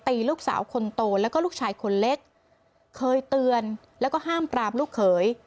ลูกสาวคนโตแล้วก็ลูกชายคนเล็กเคยเตือนแล้วก็ห้ามปรามลูกเขย